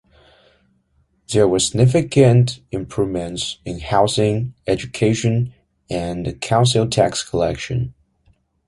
There were significant improvements in housing, education, and council tax collection.